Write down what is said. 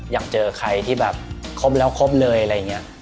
อยากเจอใครที่แบบครบแล้วครบเลยอะไรอย่างนี้